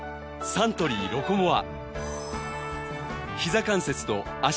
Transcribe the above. サントリー「ロコモア」